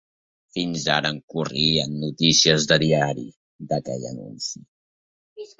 Fins ara en corrien notícies de diari, d’aquell anunci.